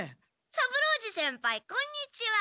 三郎次先輩こんにちは。